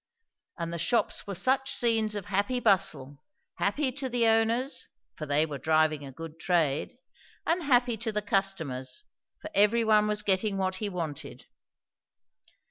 And the shops were such scenes of happy bustle; happy to the owners, for they were driving a good trade; and happy to the customers, for every one was getting what he wanted.